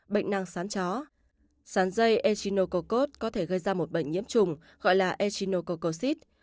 bệnh năng sán chó sán dây echinococcus có thể gây ra một bệnh nhiễm trùng gọi là echinococcus